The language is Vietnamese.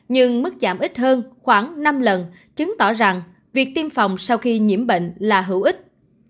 nhưng mức giảm ít hơn khoảng năm lần chứng tỏ rằng việc tiêm phòng sau khi nhiễm bệnh là hữu ích